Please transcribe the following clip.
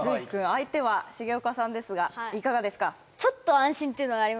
相手は重岡さんですがいかがですか？